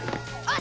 あ！